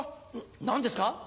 何ですか？